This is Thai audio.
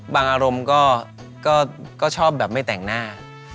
อารมณ์ก็ชอบแบบไม่แต่งหน้า